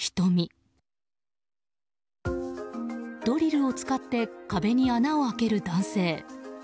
ドリルを使って壁に穴を開ける男性。